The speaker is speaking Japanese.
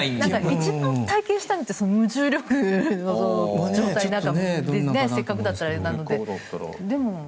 一番体験したいのって無重力の状態なのでせっかくだったらあれなので。